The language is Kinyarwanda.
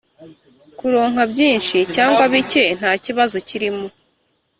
kuronka byinshi cyangwa bike ntakibazo kirimo